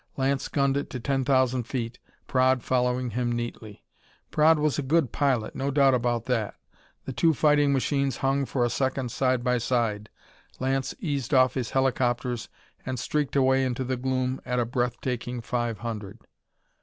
Lance gunned it to ten thousand feet, Praed following him neatly. Praed was a good pilot, no doubt about that. The two fighting machines hung for a second side by side; Lance eased off his helicopters and streaked away into the gloom at a breath taking five hundred.